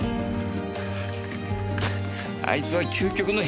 あいつは究極の変人だ。